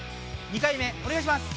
２回目おねがいします！